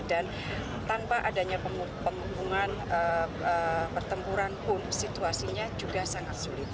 dan tanpa adanya pemukungan pertempuran pun situasinya juga sangat sulit